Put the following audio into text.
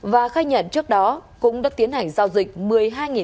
và khai nhận trước đó cũng đã tiến hành giao dịch